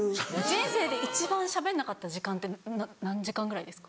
人生で一番しゃべんなかった時間って何時間ぐらいですか？